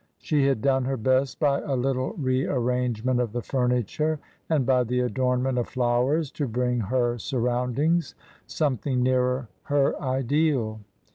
She had done her best by a little re arrangement of the furni ture and by the adornment of flowers to bring her sur roundings something nearer her ideal.